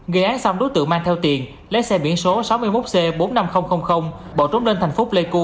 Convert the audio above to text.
gây án xong đối tượng mang theo tiền lấy xe biển số sáu mươi một c bốn nghìn năm trăm linh bỏ trốn lên thành phố pleiku